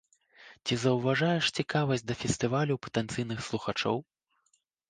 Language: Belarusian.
Ці заўважаеш цікавасць да фестывалю ў патэнцыйных слухачоў?